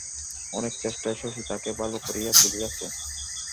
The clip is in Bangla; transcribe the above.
অনেক চেষ্টায় শশী তাকে ভালো করিয়া তুলিয়াছে।